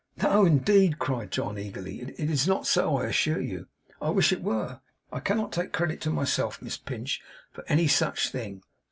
'No, indeed!' cried John, eagerly. 'It is not so, I assure you. I wish it were. I cannot take credit to myself, Miss Pinch, for any such thing.